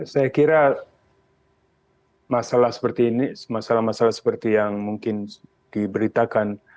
saya kira masalah seperti ini masalah masalah seperti yang mungkin diberitakan